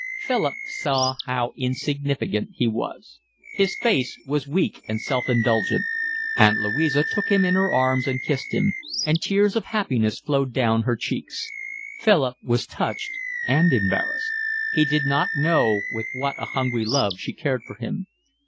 Philip saw how insignificant he was. His face was weak and self indulgent. Aunt Louisa took him in her arms and kissed him; and tears of happiness flowed down her cheeks. Philip was touched and embarrassed; he had not known with what a hungry love she cared for him.